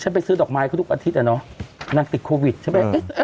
ไปซื้อดอกไม้เขาทุกอาทิตย์อะเนาะนางติดโควิดใช่ไหม